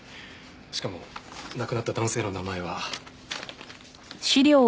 しかも亡くなった男性の名前は。